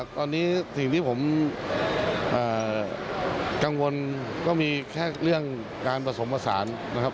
ตอนนี้สิ่งที่ผมกังวลก็มีแค่เรื่องการผสมผสานนะครับ